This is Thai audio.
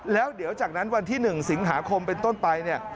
แล้วเดี๋ยวจากนั้นวันที่๑สิงหาคมเป็นต้นไปเนี่ย